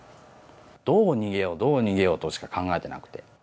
どう逃げよう、どう逃げようとしか考えてなくて。